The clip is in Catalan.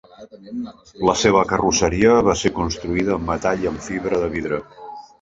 La seva carrosseria va ser construïda amb metall i amb fibra de vidre.